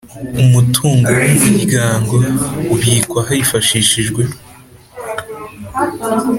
Umutungo w umuryango ubikwa hifashishijwe